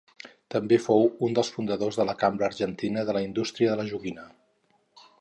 També fou un dels fundadors de la Cambra Argentina de la Indústria de la Joguina.